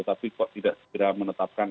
tapi kok tidak segera menetapkan